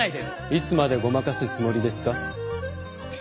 いつまでごまかすつもりですか？